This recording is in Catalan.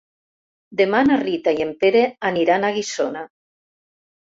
Demà na Rita i en Pere aniran a Guissona.